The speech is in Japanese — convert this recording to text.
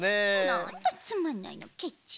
なんだつまんないのケチ。